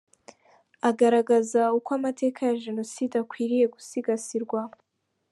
Agaragaza uko amateka ya Jenoside akwiriye gusigasirwa.